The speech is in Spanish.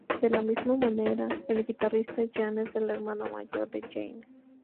De la misma manera, el guitarrista Jan es el hermano mayor de James.